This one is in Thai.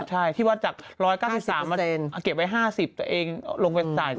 ใช่ที่วัดจาก๑๙๓เก็บไว้๕๐ตัวเองลงไปจ่าย